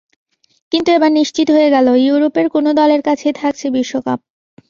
কিন্তু এবার নিশ্চিত হয়ে গেল, ইউরোপের কোনো দলের কাছেই থাকছে বিশ্বকাপ।